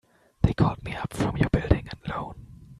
They called me up from your Building and Loan.